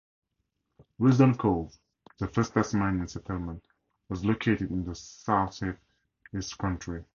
Risdon Cove, the first Tasmanian settlement, was located in south-east country.